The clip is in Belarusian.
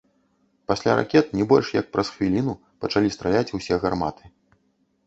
Пасля ракет не больш як праз хвіліну пачалі страляць усе гарматы.